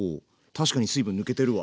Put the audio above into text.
確かに水分抜けてるわ。